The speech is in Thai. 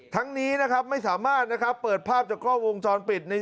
ทั้งนี้นะครับไม่สามารถนะครับเปิดภาพจากกล้องวงจรปิดใน